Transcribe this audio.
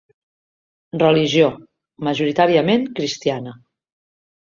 Religió: majoritàriament cristiana.